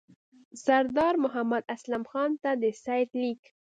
سردار محمد اسلم خان ته د سید لیک.